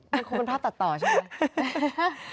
มันคงเป็นภาพตัดต่อใช่ไหม